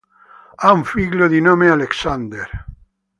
Ha un figlio di nome Alexander.